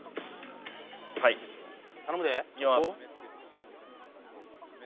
はい頼むでいきます